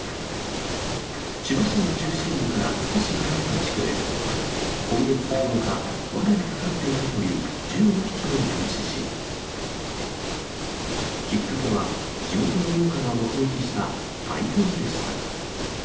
千葉市の中心部から少し離れた地区で、今月９日、わなにかかっていたという１５匹のイノシシ。きっかけは、地元の農家が目撃した大群でした。